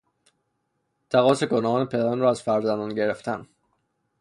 تقاص گناهان پدران را از فرزندان گرفتن